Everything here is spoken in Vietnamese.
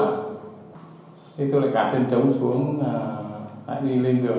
thì tôi lại gạt chân trống xuống lại đi lên giường